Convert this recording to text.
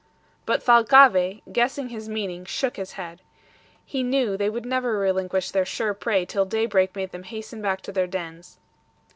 But Thalcave, guessing his meaning, shook his head. He knew they would never relinquish their sure prey till daybreak made them hasten back to their dens.